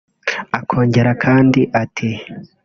Akongera kandi ati